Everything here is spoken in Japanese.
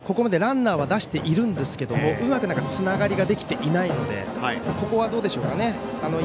長尾監督としてもここまでランナーは出しているんですけれどもうまくつながりができていないのでここはどうでしょうかね。